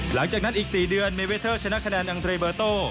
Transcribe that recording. หลังจากนั้นอีก๔เดือนเมเวเทอร์ชนะคะแนนอังเทรเบอร์โต้